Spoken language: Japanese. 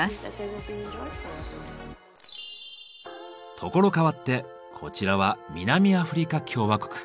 所変わってこちらは南アフリカ共和国。